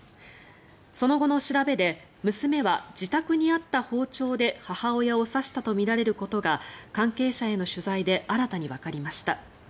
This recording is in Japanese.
その後の調べで娘は自宅にあった包丁で母親を刺したとみられることが関係者への取材で新たにわかりました。